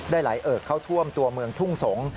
ไหลเอิกเข้าท่วมตัวเมืองทุ่งสงศ์